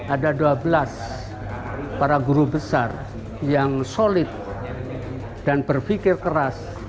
ada dua belas para guru besar yang solid dan berpikir keras